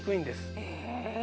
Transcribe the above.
へえ！